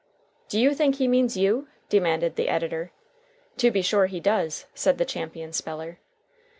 "Do you think he means you?" demanded the editor. "To be sure he does," said the champion speller.